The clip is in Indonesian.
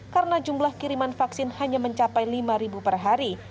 karena jumlah kiriman vaksin hanya mencapai lima ribu per hari